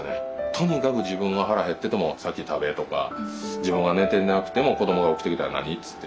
とにかく自分は腹減ってても先食べとか自分は寝てなくても子どもが起きてきたら何？つって。